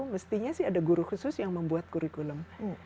mestinya sih ada guru khusus yang membuat kurikulum